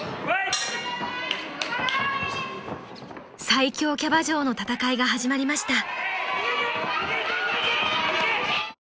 ［最強キャバ嬢の戦いが始まりました］